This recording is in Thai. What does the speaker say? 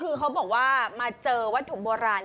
ต้องใช้ใจฟัง